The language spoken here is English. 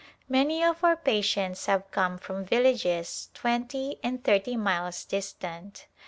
Many of our patients have come from villages twenty and thirty miles distant.